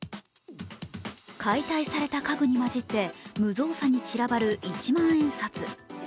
解体された家具に交じって無造作に散らばる一万円札。